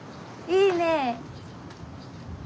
いいね。